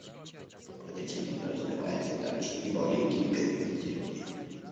Под этим подразумевается также и более гибкое финансирование.